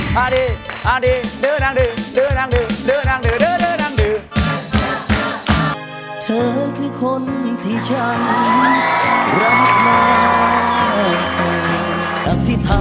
ฆ่าดีฆ่าดี